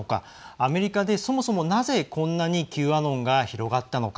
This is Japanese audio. アメリカで、そもそもなぜこんなにＱアノンが広がったのか。